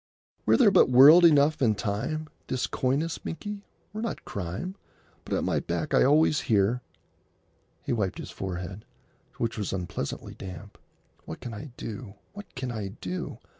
""Were there but world enough and time, This coyness, Binkie, were not crime.... But at my back I always hear——"' He wiped his forehead, which was unpleasantly damp. "What can I do? What can I do?